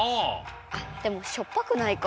でもしょっぱくないか。